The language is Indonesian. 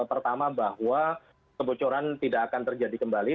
pertama bahwa kebocoran tidak akan terjadi kembali